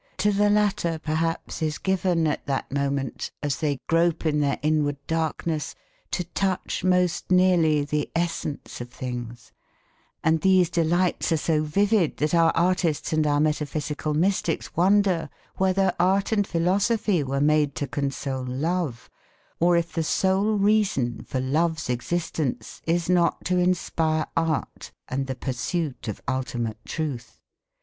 To the latter perhaps is given at that moment, as they grope in their inward darkness to touch most nearly the essence of things, and these delights are so vivid that our artists and our metaphysical mystics wonder whether art and philosophy were made to console love or if the sole reason for love's existence is not to inspire art and the pursuit of ultimate truth.